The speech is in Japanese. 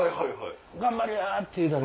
頑張れや！って言うたら。